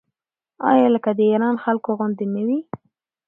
آیا لکه د ایران خلکو غوندې نه وي؟